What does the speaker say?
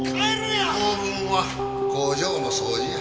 当分は工場の掃除や。